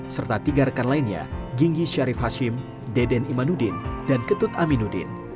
serta tiga rekan lainnya ginggi syarif hashim deden imanudin dan ketut aminuddin